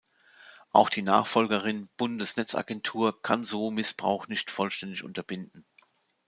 Auch die Nachfolgerin Bundesnetzagentur kann so Missbrauch nicht vollständig unterbinden.